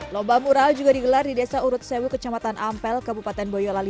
lomba mural juga digelar di desa urut sewu kecamatan ampel kabupaten boyolali